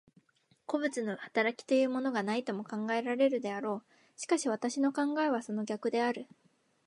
個物の働きというものがないとも考えられるであろう。しかし私の考えはその逆である。